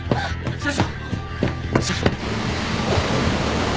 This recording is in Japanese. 社長。